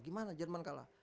gimana jerman kalah